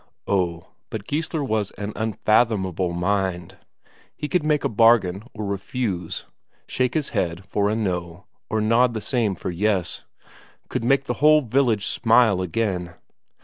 Oh, but Geissler was an unfathomable mind; he could make a bargain or refuse, shake his head for a "No," or nod the same for "Yes." Could make the whole village smile again.